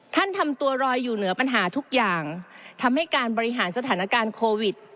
ทำตัวรอยอยู่เหนือปัญหาทุกอย่างทำให้การบริหารสถานการณ์โควิด